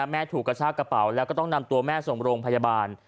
ถูกกระชากระเป๋าแล้วก็ต้องนำตัวแม่ส่งโรงพยาบาล